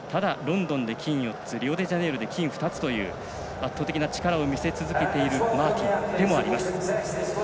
ただ、ロンドンで金４つリオデジャネイロで金２つという圧倒的な力を見せ続けているマーティンでもあります。